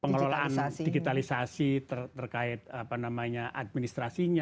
pengelolaan digitalisasi terkait apa namanya administrasinya